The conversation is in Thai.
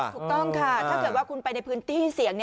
ถูกต้องค่ะถ้าเกิดว่าคุณไปในพื้นที่เสี่ยง